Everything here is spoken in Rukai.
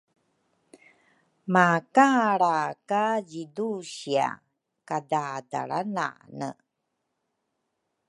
Makalra ka zidusia kadadalranane